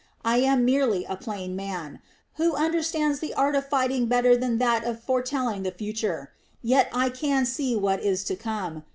I am merely a plain man, who understands the art of fighting better than that of foretelling the future. Yet I can see what is to come.